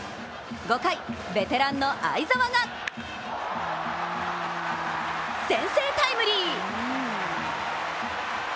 ５回、ベテランの會澤が先制タイムリー。